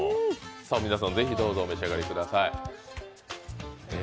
皆さんどうぞお召し上がりください。